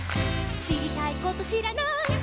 「しりたいことしらない」